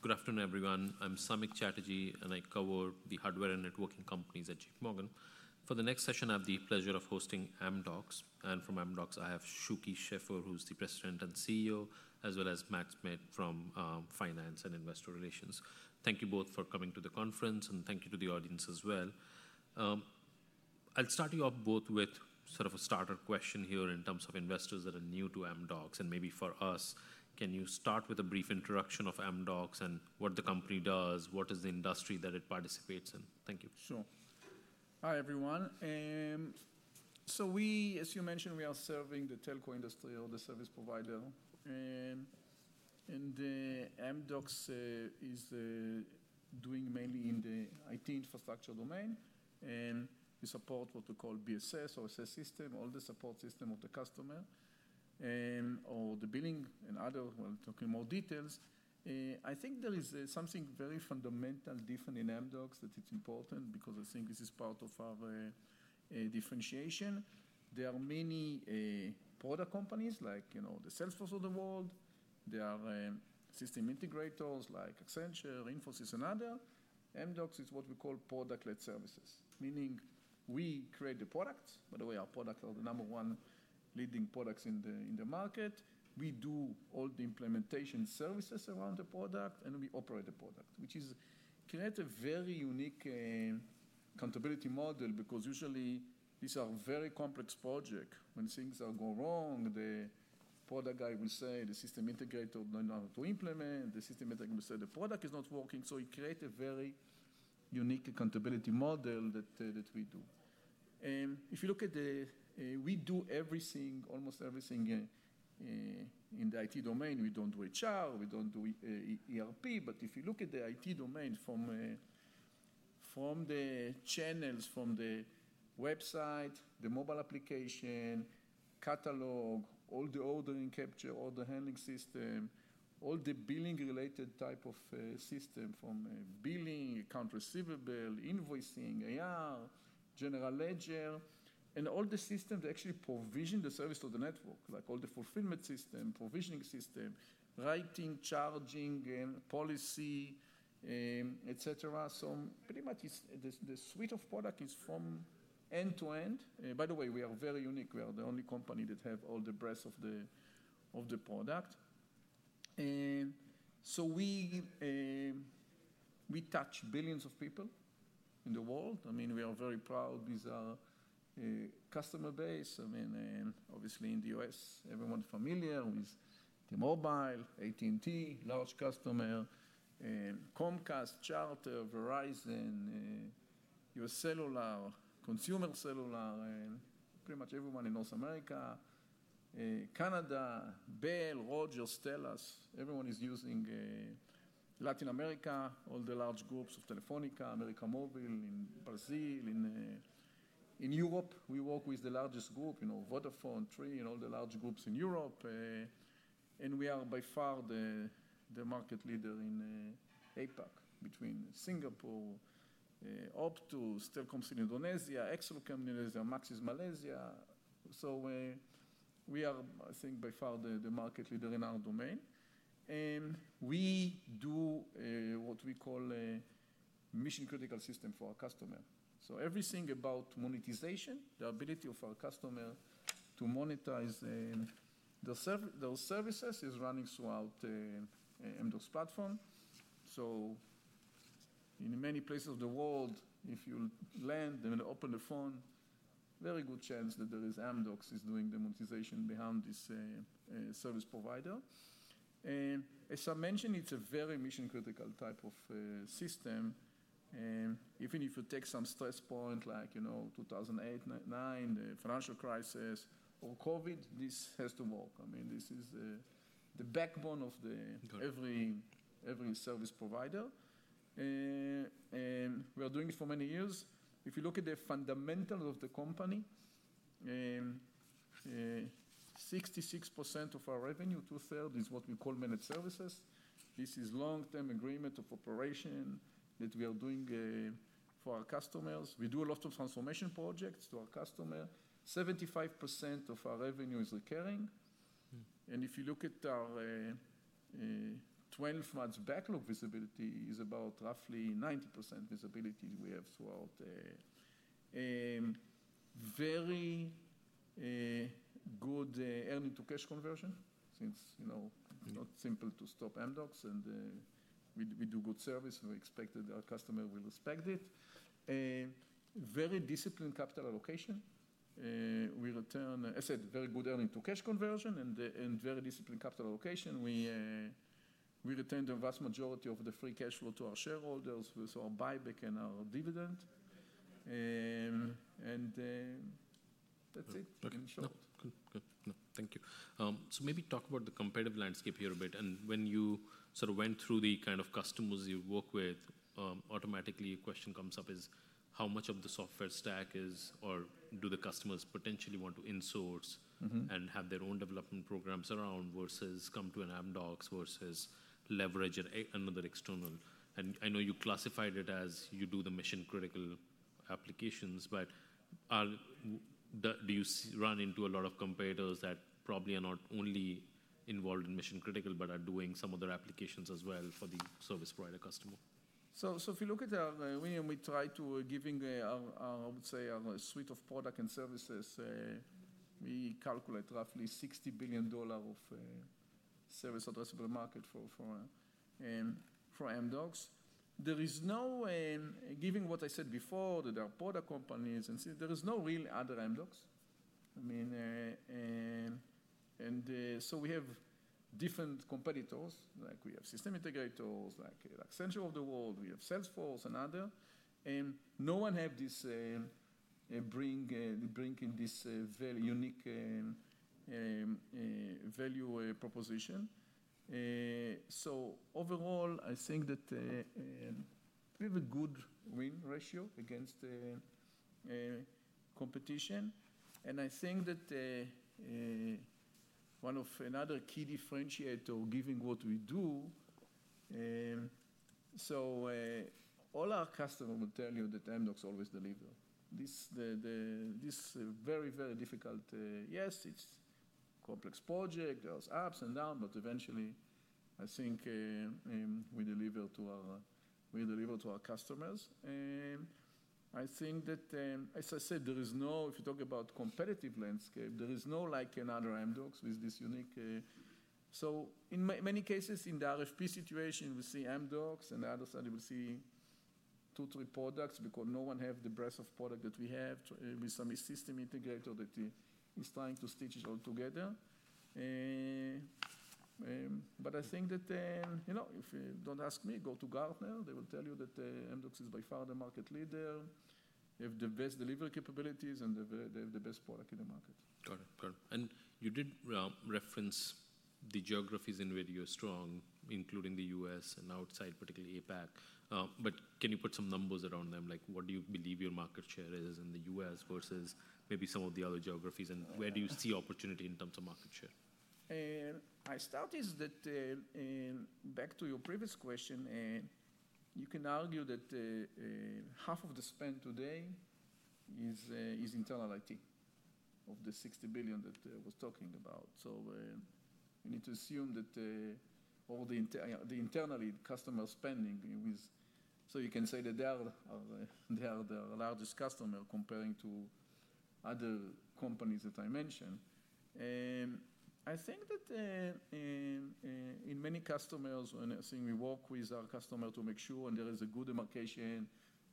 Good afternoon, everyone. I'm Samik Chatterjee, and I cover the hardware and networking companies at JP Morgan. For the next session, I have the pleasure of hosting Amdocs. From Amdocs, I have Shuky Sheffer, who's the President and CEO, as well as Matt Smith from Finance and Investor Relations. Thank you both for coming to the conference, and thank you to the audience as well. I'll start you off both with sort of a starter question here in terms of investors that are new to Amdocs, and maybe for us, can you start with a brief introduction of Amdocs and what the company does, what is the industry that it participates in? Thank you. Sure. Hi, everyone. We, as you mentioned, we are serving the telco industry, all the service providers. Amdocs is doing mainly in the IT infrastructure domain, and we support what we call BSS or SS system, all the support system of the customer, or the billing and other. We will talk in more details. I think there is something very fundamental different in Amdocs that is important because I think this is part of our differentiation. There are many product companies like the Salesforce of the world. There are system integrators like Accenture, Infosys, and others. Amdocs is what we call product-led services, meaning we create the products. By the way, our products are the number one leading products in the market. We do all the implementation services around the product, and we operate the product, which creates a very unique accountability model because usually these are very complex projects. When things go wrong, the product guy will say the system integrator does not know how to implement. The system integrator will say the product is not working. It creates a very unique accountability model that we do. If you look at the, we do almost everything in the IT domain. We don't do HR, we don't do ERP, but if you look at the IT domain from the channels, from the website, the mobile application, catalog, all the ordering capture, all the handling system, all the billing-related type of system from billing, account receivable, invoicing, AR, general ledger, and all the systems that actually provision the service of the network, like all the fulfillment system, provisioning system, rating, charging, policy, etc. Pretty much the suite of product is from end to end. By the way, we are very unique. We are the only company that has all the breadth of the product. We touch billions of people in the world. I mean, we are very proud of this customer base. I mean, obviously in the U.S., everyone's familiar with T-Mobile, AT&T, large customer, Comcast, Charter, Verizon, US Cellular, Consumer Cellular, and pretty much everyone in North America, Canada, Bell, Rogers, TELUS. Everyone is using Latin America, all the large groups of Telefónica, América Móvil in Brazil. In Europe, we work with the largest group, Vodafone, Three, and all the large groups in Europe. We are by far the market leader in APAC between Singapore, Optus, Telkomsel Indonesia, XL Axiata Indonesia, Maxis Malaysia. I think we are by far the market leader in our domain. We do what we call mission-critical system for our customer. Everything about monetization, the ability of our customer to monetize their services, is running throughout Amdocs platform. In many places of the world, if you land and open the phone, very good chance that Amdocs is doing the monetization behind this service provider. As I mentioned, it's a very mission-critical type of system. Even if you take some stress points like 2008, 2009, the financial crisis, or COVID, this has to work. I mean, this is the backbone of every service provider. We are doing it for many years. If you look at the fundamentals of the company, 66% of our revenue, two-thirds, is what we call managed services. This is a long-term agreement of operation that we are doing for our customers. We do a lot of transformation projects to our customers. 75% of our revenue is recurring. If you look at our 12-month backlog visibility, it is about roughly 90% visibility we have throughout. Very good earning-to-cash conversion since it's not simple to stop Amdocs. We do good service, and we expect that our customer will respect it. Very disciplined capital allocation. I said very good earning-to-cash conversion and very disciplined capital allocation. We retain the vast majority of the free cash flow to our shareholders with our buyback and our dividend. That's it in short. Good. Good. Thank you. Maybe talk about the competitive landscape here a bit. When you sort of went through the kind of customers you work with, automatically a question comes up: how much of the software stack is, or do the customers potentially want to insource and have their own development programs around versus come to an Amdocs versus leverage another external? I know you classified it as you do the mission-critical applications, but do you run into a lot of competitors that probably are not only involved in mission-critical but are doing some other applications as well for the service provider customer? If you look at our revenue, we try to give, I would say, our suite of product and services. We calculate roughly $60 billion of service addressable market for Amdocs. There is no, given what I said before, that there are product companies and there is no real other Amdocs. I mean, we have different competitors. We have system integrators like Accenture of the world. We have Salesforce and other. No one has this bringing this very unique value proposition. Overall, I think that we have a good win ratio against competition. I think that one of another key differentiator giving what we do, all our customers will tell you that Amdocs always deliver. This is a very, very difficult, yes, it's a complex project. There are ups and downs, but eventually, I think we deliver to our customers. I think that, as I said, there is no, if you talk about competitive landscape, there is no like another Amdocs with this unique. In many cases, in the RFP situation, we see Amdocs, and the other side we see two or three products because no one has the breadth of product that we have with some system integrator that is trying to stitch it all together. I think that if you do not ask me, go to Gartner, they will tell you that Amdocs is by far the market leader. They have the best delivery capabilities, and they have the best product in the market. Got it. Got it. You did reference the geographies in which you're strong, including the US and outside, particularly APAC. Can you put some numbers around them? What do you believe your market share is in the US versus maybe some of the other geographies? Where do you see opportunity in terms of market share? I started that back to your previous question. You can argue that half of the spend today is internal IT of the $60 billion that I was talking about. We need to assume that all the internal customer spending is, so you can say that they are the largest customer comparing to other companies that I mentioned. I think that in many customers, when I think we work with our customer to make sure there is a good demarcation,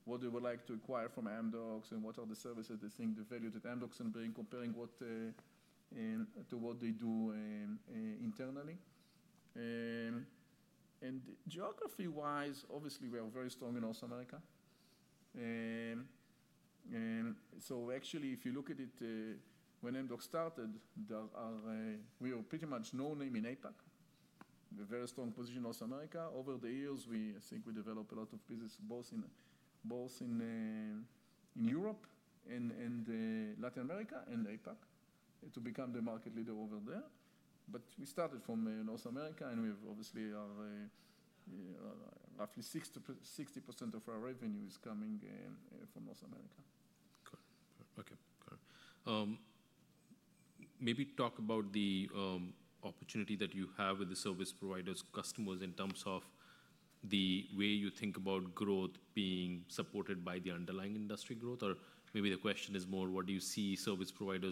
what they would like to acquire from Amdocs, and what are the services they think the value that Amdocs can bring comparing to what they do internally. Geography-wise, obviously, we are very strong in North America. Actually, if you look at it, when Amdocs started, we were pretty much no name in APAC. We have a very strong position in North America. Over the years, I think we developed a lot of business both in Europe and Latin America and APAC to become the market leader over there. We started from North America, and we obviously are roughly 60% of our revenue is coming from North America. Got it. Okay. Got it. Maybe talk about the opportunity that you have with the service providers' customers in terms of the way you think about growth being supported by the underlying industry growth. Maybe the question is more, what do you see service provider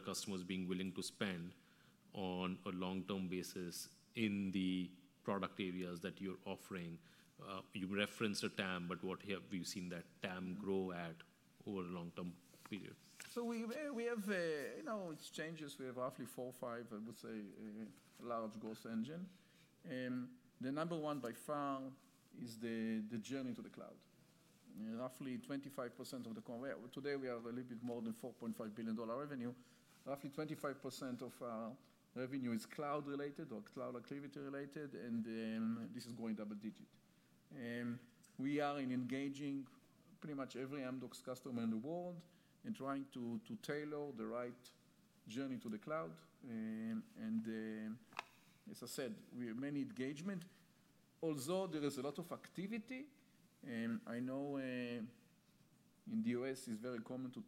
customers being willing to spend on a long-term basis in the product areas that you're offering? You referenced a TAM, but what have you seen that TAM grow at over a long-term period? We have exchanges. We have roughly four or five, I would say, large growth engines. The number one by far is the journey to the cloud. Roughly 25% of today, we have a little bit more than $4.5 billion revenue. Roughly 25% of our revenue is cloud-related or cloud activity-related, and this is going double-digit. We are engaging pretty much every Amdocs customer in the world and trying to tailor the right journey to the cloud. As I said, we have many engagements. Although there is a lot of activity, I know in the U.S., it's very common to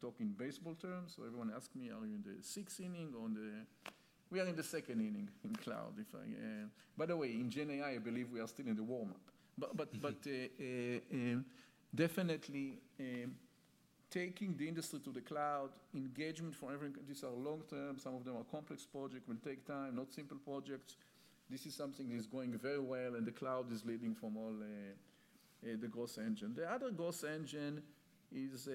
talk in baseball terms. Everyone asks me, are you in the sixth inning or in the—we are in the second inning in cloud. By the way, in GenAI, I believe we are still in the warm-up. Definitely, taking the industry to the cloud, engagement for everyone, these are long-term. Some of them are complex projects. It will take time, not simple projects. This is something that is going very well, and the cloud is leading from all the growth engines. The other growth engine is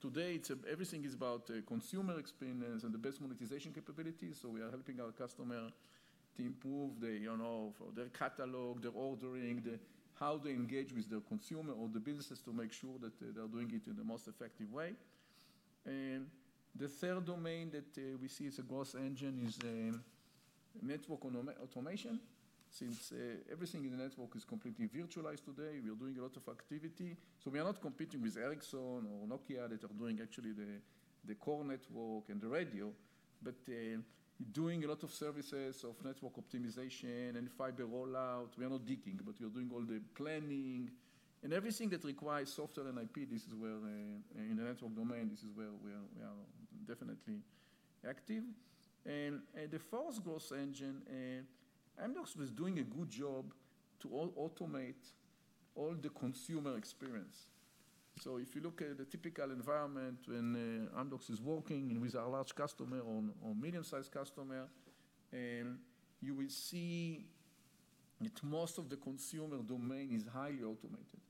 today, everything is about consumer experience and the best monetization capabilities. We are helping our customer to improve their catalog, their ordering, how they engage with their consumer or the businesses to make sure that they are doing it in the most effective way. The third domain that we see as a growth engine is network automation. Since everything in the network is completely virtualized today, we are doing a lot of activity. We are not competing with Ericsson or Nokia that are doing actually the core network and the radio, but doing a lot of services of network optimization and fiber rollout. We are not digging, but we are doing all the planning. Everything that requires software and IP, in the network domain, this is where we are definitely active. The fourth growth engine, Amdocs was doing a good job to automate all the consumer experience. If you look at the typical environment when Amdocs is working with our large customer or medium-sized customer, you will see that most of the consumer domain is highly automated.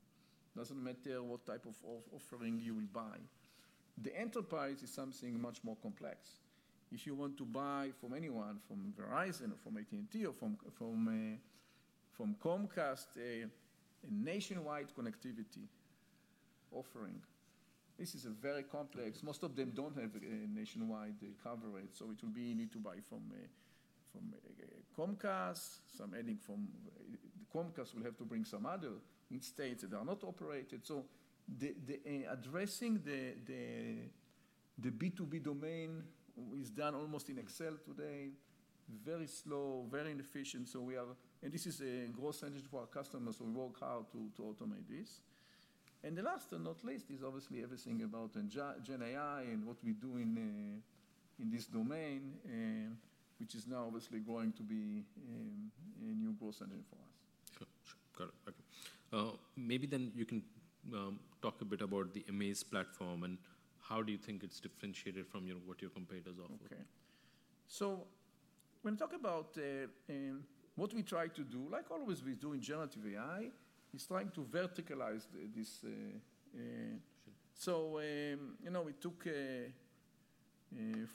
It does not matter what type of offering you will buy. The enterprise is something much more complex. If you want to buy from anyone, from Verizon or from AT&T or from Comcast, a nationwide connectivity offering, this is very complex. Most of them do not have a nationwide coverage. It will be you need to buy from Comcast. Some adding from Comcast will have to bring some other states that are not operated. Addressing the B2B domain is done almost in Excel today. Very slow, very inefficient. This is a growth engine for our customers. We work hard to automate this. The last and not least is obviously everything about GenAI and what we do in this domain, which is now obviously going to be a new growth engine for us. Got it. Got it. Okay. Maybe then you can talk a bit about the Amaze platform and how do you think it's differentiated from what your competitors offer? Okay. When I talk about what we try to do, like always we do in generative AI, is trying to verticalize this. We took,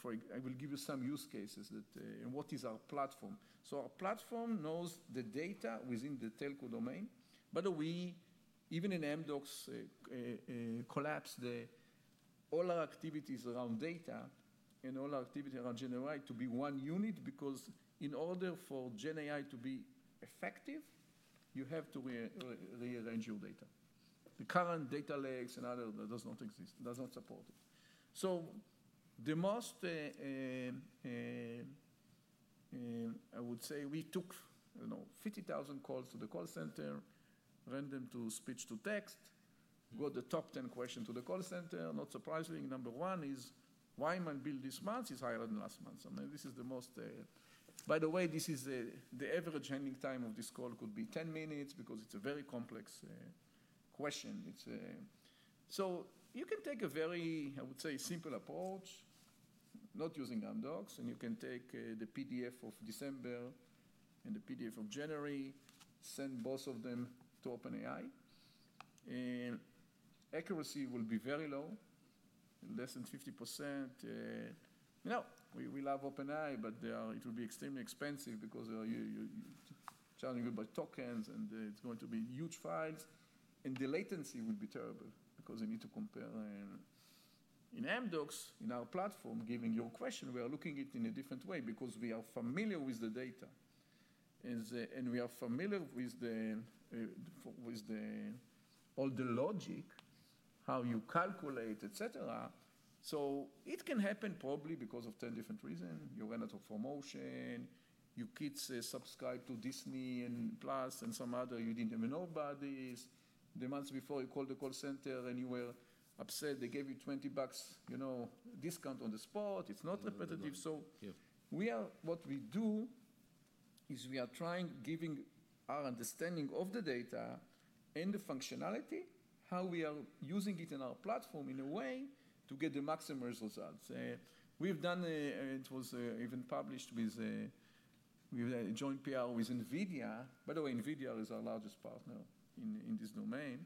for, I will give you some use cases that what is our platform. Our platform knows the data within the telco domain. By the way, even in Amdocs, collapse all our activities around data and all our activity around GenAI to be one unit because in order for GenAI to be effective, you have to rearrange your data. The current data lakes and other does not exist, does not support it. The most, I would say, we took 50,000 calls to the call center, ran them to speech-to-text, got the top 10 questions to the call center. Not surprisingly, number one is, why am I billed this month? It's higher than last month. I mean, this is the most. By the way, this is the average handling time of this call could be 10 minutes because it's a very complex question. You can take a very, I would say, simple approach, not using Amdocs, and you can take the PDF of December and the PDF of January, send both of them to OpenAI. Accuracy will be very low, less than 50%. We love OpenAI, but it will be extremely expensive because they're charging you by tokens, and it's going to be huge files. The latency will be terrible because you need to compare. In Amdocs, in our platform, given your question, we are looking at it in a different way because we are familiar with the data. We are familiar with all the logic, how you calculate, et cetera. It can happen probably because of 10 different reasons. Your rent or promotion, your kids subscribe to Disney+ and some other, you did not even know about this. The months before, you called the call center, and you were upset. They gave you $20 discount on the sport. It is not repetitive. What we do is we are trying, giving our understanding of the data and the functionality, how we are using it in our platform in a way to get the maximum results. We have done, it was even published with, we joined PR with NVIDIA. By the way, NVIDIA is our largest partner in this domain.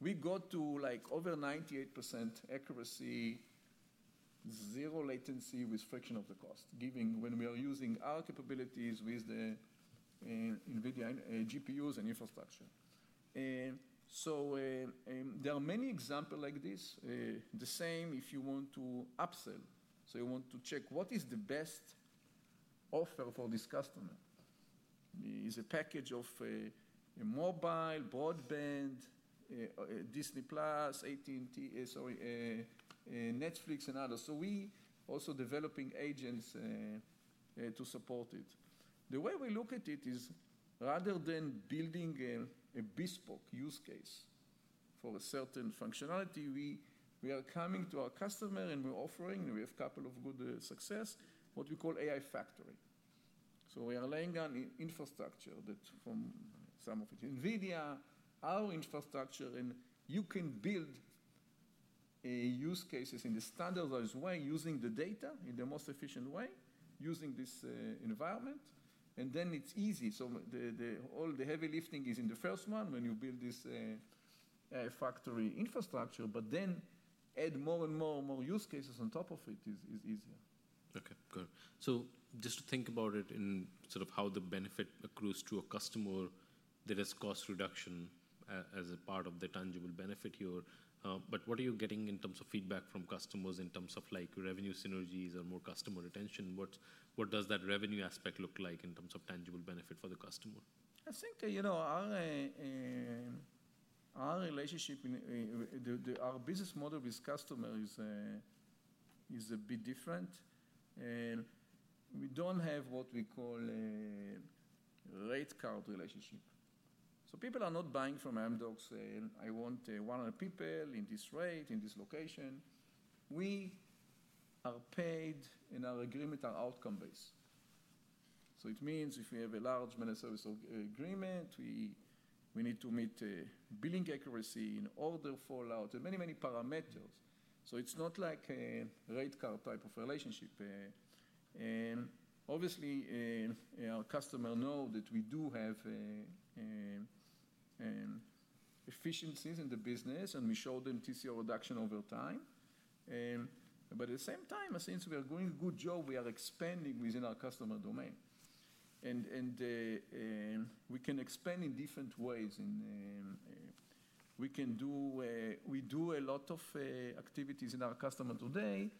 We got to over 98% accuracy, zero latency with friction of the cost, giving when we are using our capabilities with the NVIDIA GPUs and infrastructure. There are many examples like this. The same, if you want to upsell. You want to check what is the best offer for this customer. It's a package of mobile, broadband, Disney+, AT&T, sorry, Netflix, and others. We are also developing agents to support it. The way we look at it is rather than building a bespoke use case for a certain functionality, we are coming to our customer and we're offering, and we have a couple of good success, what we call AI Factory. We are laying down infrastructure that from some of it NVIDIA, our infrastructure, and you can build use cases in the standardized way using the data in the most efficient way using this environment. Then it's easy. All the heavy lifting is in the first one when you build this factory infrastructure, but then add more and more use cases on top of it is easier. Okay. Got it. Just to think about it in sort of how the benefit accrues to a customer, there is cost reduction as a part of the tangible benefit here. What are you getting in terms of feedback from customers in terms of revenue synergies or more customer retention? What does that revenue aspect look like in terms of tangible benefit for the customer? I think our relationship, our business model with customer is a bit different. We don't have what we call rate card relationship. People are not buying from Amdocs, "I want 100 people in this rate, in this location." We are paid and are agreeing with our outcome base. It means if we have a large managed service agreement, we need to meet billing accuracy in order follow-up and many, many parameters. It's not like a rate card type of relationship. Obviously, our customer knows that we do have efficiencies in the business, and we show them TCO reduction over time. At the same time, since we are doing a good job, we are expanding within our customer domain. We can expand in different ways. We do a lot of activities in our customer today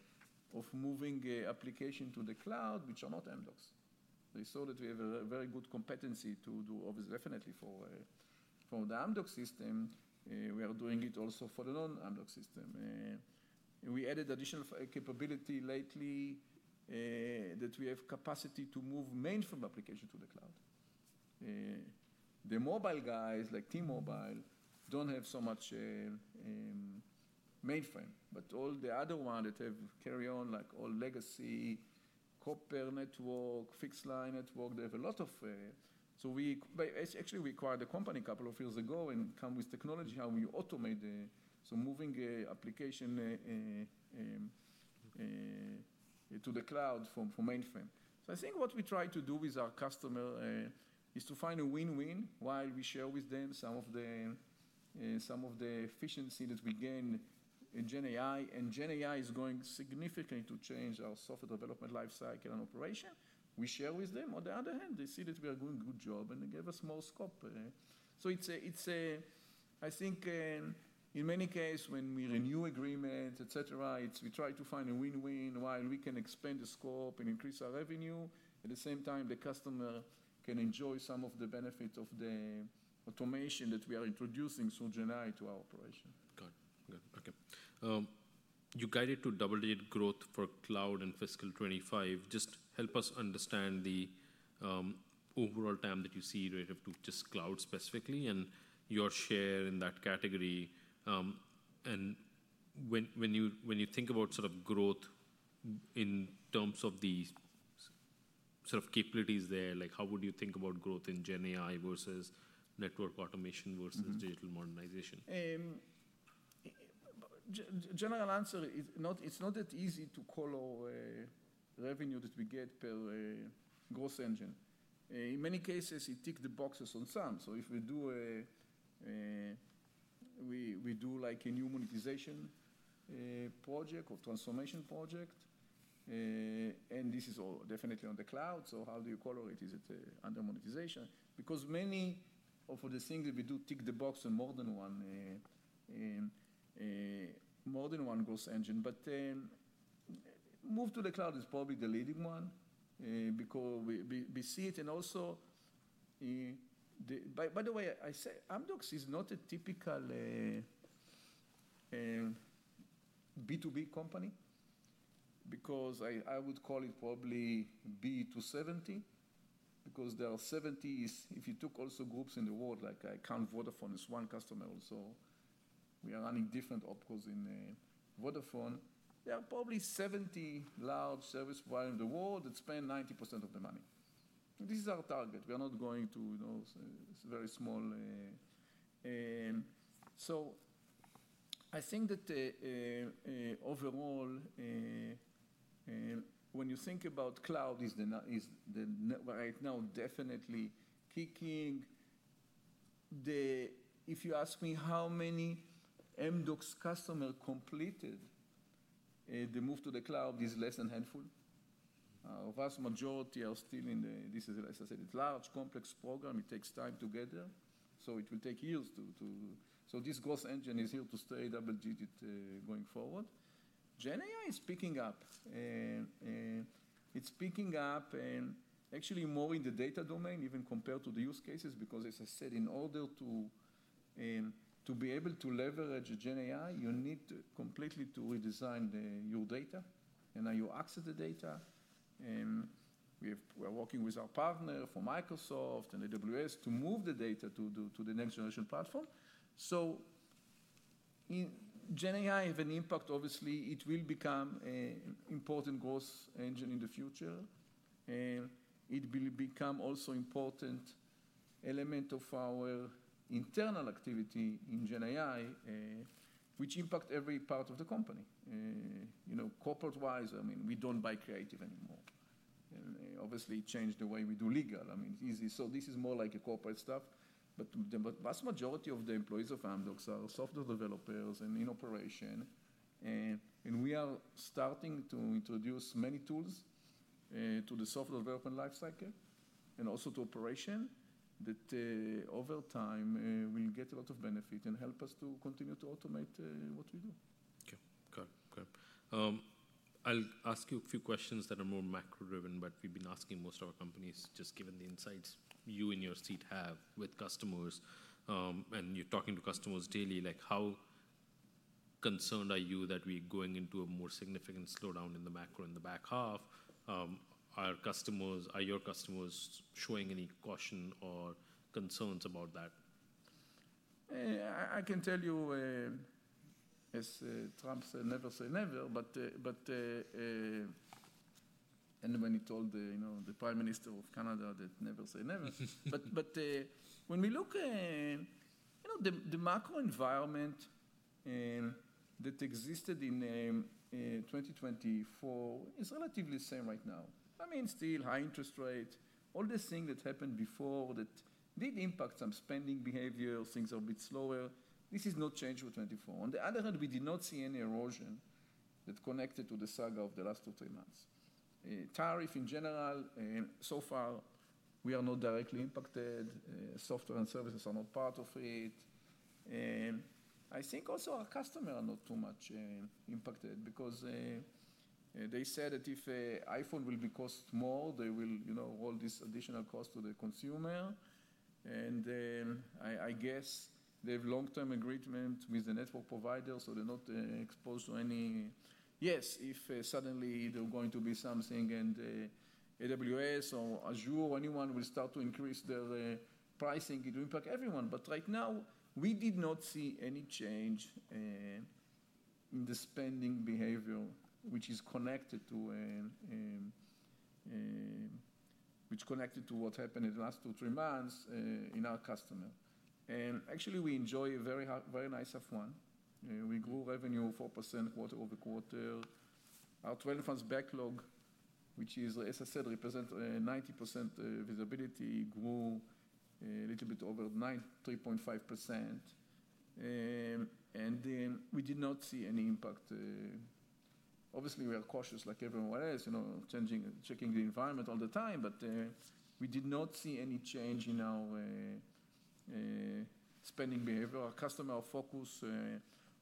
of moving application to the cloud, which are not Amdocs. They saw that we have a very good competency to do, obviously, definitely for the Amdocs system. We are doing it also for the non-Amdocs system. We added additional capability lately that we have capacity to move mainframe application to the cloud. The mobile guys, like T-Mobile, do not have so much mainframe. All the other ones that have carry-on, like all legacy, copper network, fixed line network, they have a lot of. We actually acquired the company a couple of years ago and come with technology how we automate the moving application to the cloud from mainframe. I think what we try to do with our customer is to find a win-win while we share with them some of the efficiency that we gain in GenAI. GenAI is going significantly to change our software development lifecycle and operation. We share with them. On the other hand, they see that we are doing a good job and they gave us more scope. I think in many cases, when we renew agreements, et cetera, we try to find a win-win while we can expand the scope and increase our revenue. At the same time, the customer can enjoy some of the benefits of the automation that we are introducing through GenAI to our operation. Got it. Got it. Okay. You guided to double-digit growth for cloud in fiscal 2025. Just help us understand the overall TAM that you see relative to just cloud specifically and your share in that category. When you think about sort of growth in terms of the sort of capabilities there, how would you think about growth in GenAI versus network automation versus digital modernization? General answer, it's not that easy to color revenue that we get per growth engine. In many cases, it ticks the boxes on some. If we do a new monetization project or transformation project, and this is definitely on the cloud, how do you color it? Is it under monetization? Because many of the things that we do tick the box on more than one growth engine. Move to the cloud is probably the leading one because we see it. Also, by the way, Amdocs is not a typical B2B company because I would call it probably B270 because there are 70. If you took also groups in the world, like I count Vodafone as one customer also. We are running different opcos in Vodafone. There are probably 70 large service providers in the world that spend 90% of the money. This is our target. We are not going to very small. I think that overall, when you think about cloud, right now, definitely kicking. If you ask me how many Amdocs customers completed the move to the cloud, it is less than a handful. Our vast majority are still in the, as I said, it's a large, complex program. It takes time to get there. It will take years to. This growth engine is here to stay double-digit going forward. GenAI is picking up. It's picking up actually more in the data domain even compared to the use cases because, as I said, in order to be able to leverage GenAI, you need completely to redesign your data. And now you access the data. We are working with our partner from Microsoft and AWS to move the data to the next generation platform. GenAI has an impact. Obviously, it will become an important growth engine in the future. It will become also an important element of our internal activity in GenAI, which impacts every part of the company. Corporate-wise, I mean, we do not buy creative anymore. Obviously, it changed the way we do legal. I mean, this is more like a corporate stuff. The vast majority of the employees of Amdocs are software developers and in operation. We are starting to introduce many tools to the software development lifecycle and also to operation that over time will get a lot of benefit and help us to continue to automate what we do. Okay. Got it. Got it. I'll ask you a few questions that are more macro-driven, but we've been asking most of our companies just given the insights you and your seat have with customers. You're talking to customers daily. How concerned are you that we are going into a more significant slowdown in the macro in the back half? Are your customers showing any caution or concerns about that? I can tell you, as Trump said, "Never say never." When he told the Prime Minister of Canada that, "Never say never." When we look at the macro environment that existed in 2024, it's relatively the same right now. I mean, still high interest rate, all the things that happened before that did impact some spending behaviors, things are a bit slower. This is no change for 2024. On the other hand, we did not see any erosion that connected to the saga of the last two or three months. Tariff in general, so far, we are not directly impacted. Software and services are not part of it. I think also our customers are not too much impacted because they said that if iPhone will cost more, they will roll this additional cost to the consumer. I guess they have long-term agreement with the network providers, so they're not exposed to any. Yes, if suddenly there are going to be something and AWS or Azure or anyone will start to increase their pricing, it will impact everyone. Right now, we did not see any change in the spending behavior, which is connected to what happened in the last two or three months in our customer. Actually, we enjoy a very nice F1. We grew revenue 4% quarter over quarter. Our 12 months backlog, which is, as I said, represents 90% visibility, grew a little bit over 3.5%. We did not see any impact. Obviously, we are cautious like everyone else, checking the environment all the time, but we did not see any change in our spending behavior. Our customers are focused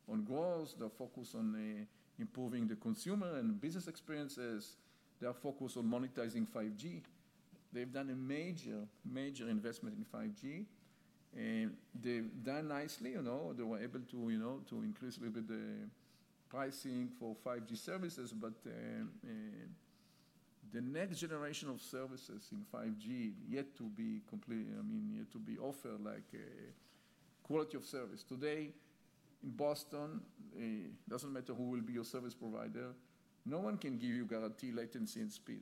on growth. They're focused on improving the consumer and business experiences. They're focused on monetizing 5G. They've done a major, major investment in 5G. They've done nicely. They were able to increase a little bit the pricing for 5G services. The next generation of services in 5G is yet to be offered, like quality of service. Today, in Boston, it doesn't matter who will be your service provider. No one can give you guaranteed latency and speed.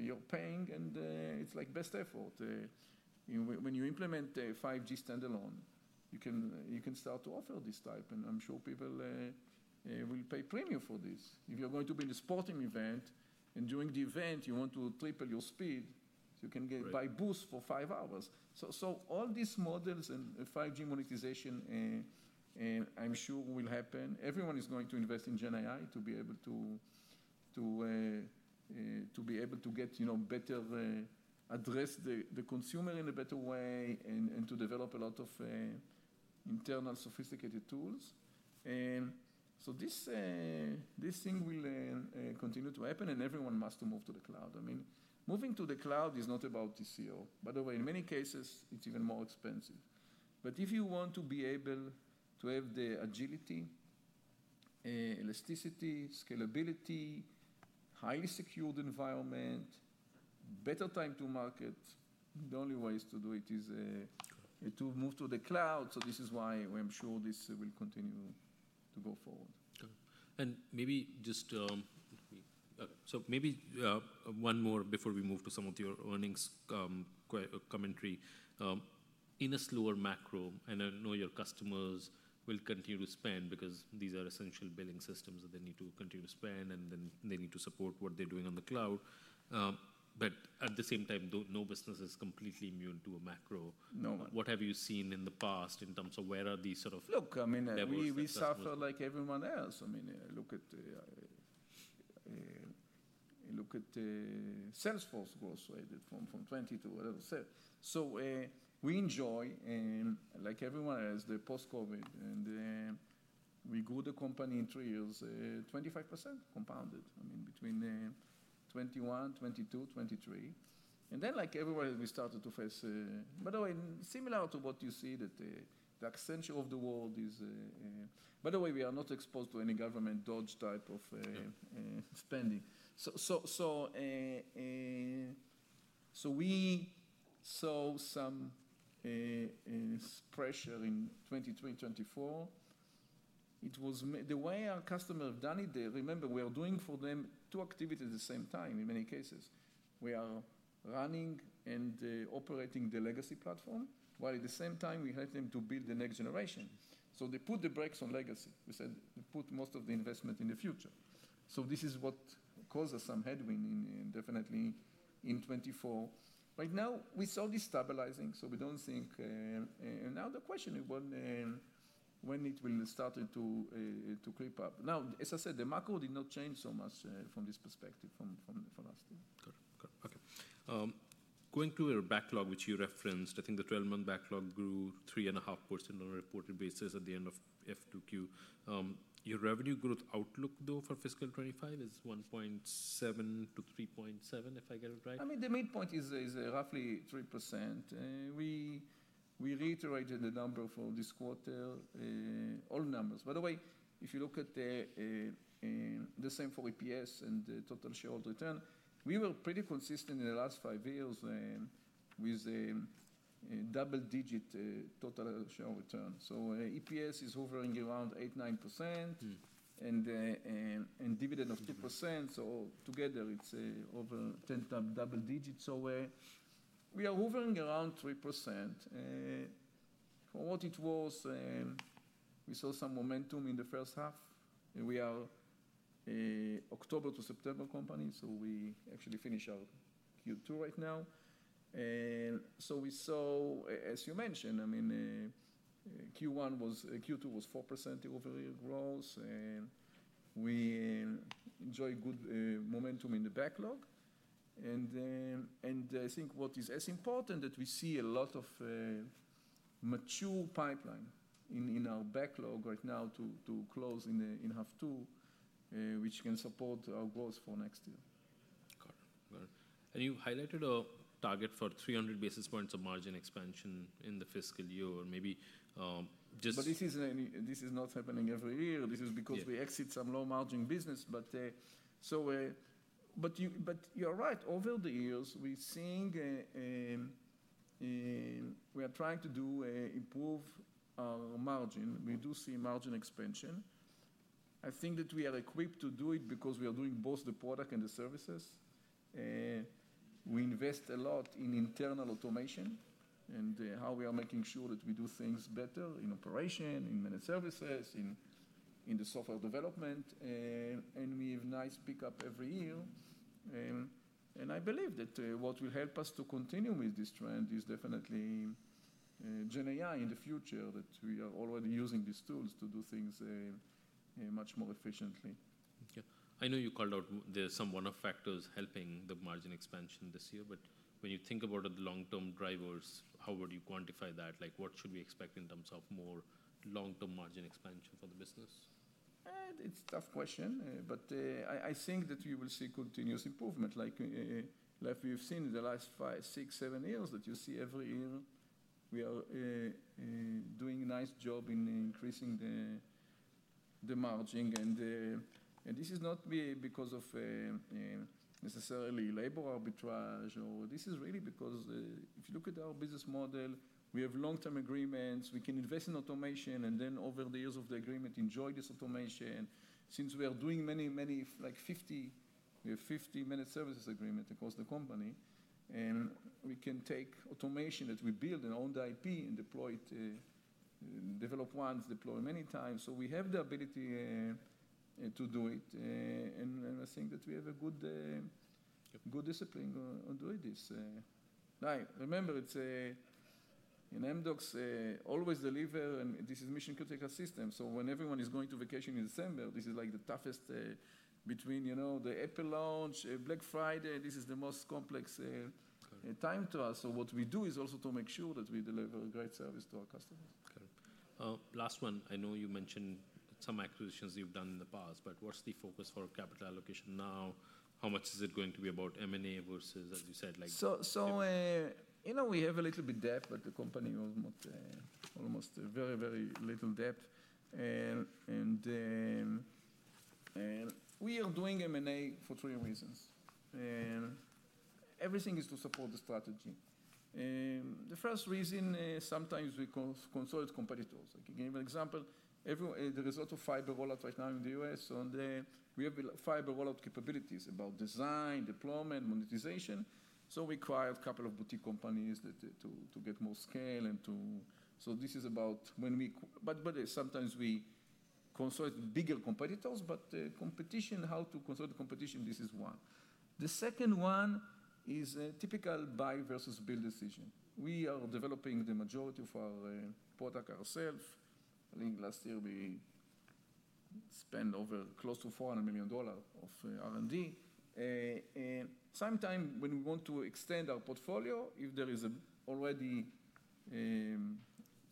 You're paying, and it's like best effort. When you implement a 5G standalone, you can start to offer this type. I'm sure people will pay premium for this. If you're going to be in a sporting event and during the event, you want to triple your speed, you can buy boost for five hours. All these models and 5G monetization, I'm sure, will happen. Everyone is going to invest in GenAI to be able to get better, address the consumer in a better way, and to develop a lot of internal sophisticated tools. This thing will continue to happen, and everyone must move to the cloud. I mean, moving to the cloud is not about TCO. By the way, in many cases, it's even more expensive. If you want to be able to have the agility, elasticity, scalability, highly secured environment, better time to market, the only way to do it is to move to the cloud. This is why I'm sure this will continue to go forward. Got it. Maybe just so maybe one more before we move to some of your earnings commentary. In a slower macro, I know your customers will continue to spend because these are essential billing systems that they need to continue to spend, and they need to support what they are doing on the cloud. At the same time, no business is completely immune to a macro. What have you seen in the past in terms of where are these sort of leverages? Look, I mean, we suffer like everyone else. I mean, look at Salesforce gross rated from 20 to whatever said. We enjoy, like everyone else, the post-COVID, and we grew the company in three years, 25% compounded, I mean, between 2021, 2022, 2023. Then, like everyone, we started to face, by the way, similar to what you see, that the Accenture of the world is, by the way, we are not exposed to any government dodge type of spending. We saw some pressure in 2023, 2024. The way our customers have done it, remember, we are doing for them two activities at the same time in many cases. We are running and operating the legacy platform, while at the same time, we help them to build the next generation. They put the brakes on legacy. We said they put most of the investment in the future. This is what caused us some headwind, definitely in 2024. Right now, we saw this stabilizing, so we do not think now the question is when it will start to creep up. As I said, the macro did not change so much from this perspective from last year. Got it. Got it. Okay. Going to your backlog, which you referenced, I think the 12-month backlog grew three point five percent on a reported basis at the end of F2Q. Your revenue growth outlook, though, for fiscal 2025 is 1.7%-3.7%, if I got it right. I mean, the main point is roughly three percent. We reiterated the number for this quarter, all numbers. By the way, if you look at the same for EPS and the total shareholder return, we were pretty consistent in the last five years with double-digit total shareholder return. So EPS is hovering around 8-9% and dividend of 2%. Together, it's over 10%, double digits. We are hovering around 3%. For what it was, we saw some momentum in the first half. We are an October to September company, so we actually finished our Q2 right now. As you mentioned, I mean, Q1 was, Q2 was four percent over year growth. We enjoyed good momentum in the backlog. I think what is as important is that we see a lot of mature pipeline in our backlog right now to close in half two, which can support our growth for next year. Got it. Got it. You highlighted a target for 300 basis points of margin expansion in the fiscal year, maybe just. This is not happening every year. This is because we exit some low-margin business. You're right. Over the years, we're seeing we are trying to improve our margin. We do see margin expansion. I think that we are equipped to do it because we are doing both the product and the services. We invest a lot in internal automation and how we are making sure that we do things better in operation, in many services, in the software development. We have nice pickup every year. I believe that what will help us to continue with this trend is definitely GenAI in the future, that we are already using these tools to do things much more efficiently. Yeah. I know you called out there's some one-off factors helping the margin expansion this year, but when you think about the long-term drivers, how would you quantify that? What should we expect in terms of more long-term margin expansion for the business? It's a tough question, but I think that we will see continuous improvement. Like we've seen in the last five, six, seven years that you see every year, we are doing a nice job in increasing the margin. This is not because of necessarily labor arbitrage, or this is really because if you look at our business model, we have long-term agreements. We can invest in automation, and then over the years of the agreement, enjoy this automation. Since we are doing many, many like 50-minute services agreement across the company, we can take automation that we build in our own IP and deploy it, develop once, deploy many times. We have the ability to do it. I think that we have a good discipline on doing this. Remember, in Amdocs, always deliver, and this is mission critical system. When everyone is going to vacation in December, this is like the toughest between the Apple launch, Black Friday. This is the most complex time to us. What we do is also to make sure that we deliver a great service to our customers. Got it. Last one, I know you mentioned some acquisitions you've done in the past, but what's the focus for capital allocation now? How much is it going to be about M&A versus, as you said, like? We have a little bit depth, but the company was almost very, very little depth. We are doing M&A for three reasons. Everything is to support the strategy. The first reason, sometimes we consult competitors. I can give you an example. There is a lot of fiber rollout right now in the US. We have fiber rollout capabilities about design, deployment, monetization. We acquired a couple of boutique companies to get more scale. This is about when we, but sometimes we consult bigger competitors, but competition, how to consult the competition, this is one. The second one is a typical buy versus build decision. We are developing the majority of our product ourselves. I think last year, we spent over close to $400 million of R&D. Sometimes when we want to extend our portfolio, if there is already a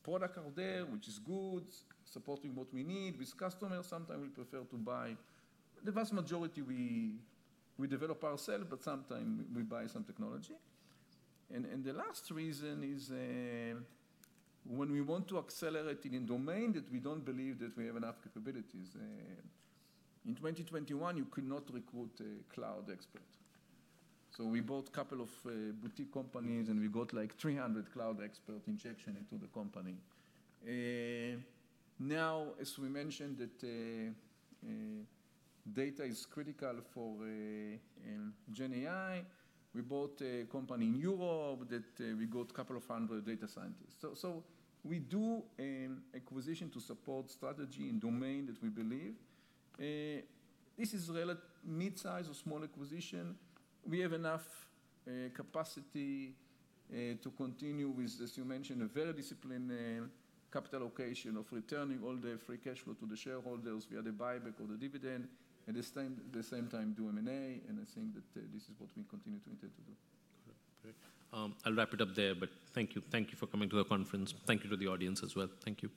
product out there which is good, supporting what we need with customers, sometimes we prefer to buy. The vast majority, we develop ourselves, but sometimes we buy some technology. The last reason is when we want to accelerate in a domain that we do not believe that we have enough capabilities. In 2021, you could not recruit a cloud expert. We bought a couple of boutique companies, and we got like 300 cloud expert injection into the company. Now, as we mentioned, that data is critical for GenAI. We bought a company in Europe that we got a couple of hundred data scientists. We do acquisition to support strategy in domain that we believe. This is mid-size or small acquisition. We have enough capacity to continue with, as you mentioned, a very disciplined capital allocation of returning all the free cash flow to the shareholders via the buyback or the dividend, and at the same time, do M&A. I think that this is what we continue to intend to do. I'll wrap it up there, but thank you. Thank you for coming to the conference. Thank you to the audience as well. Thank you.